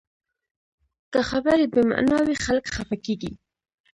که خبرې بې معنا وي، خلک خفه کېږي